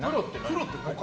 プロって何？